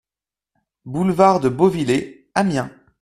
Boulevard de Beauvillé, Amiens